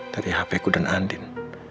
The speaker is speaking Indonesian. dari hp ku dan andin